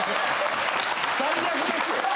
最悪ですよ。